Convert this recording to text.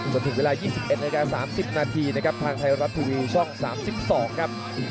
จนถึงเวลา๒๑นาที๓๐นาทีนะครับทางไทยรัฐทีวีช่อง๓๒ครับ